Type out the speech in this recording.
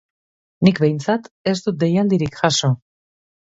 Nik behintzat ez du deialdirik jaso.